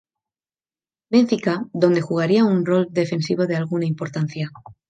Benfica, donde jugaría un rol defensivo de alguna importancia.